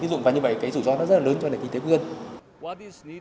vì vậy cái rủi ro nó rất là lớn cho kinh tế của dân